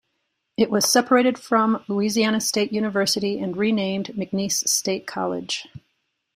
It was separated from Louisiana State University and renamed McNeese State College.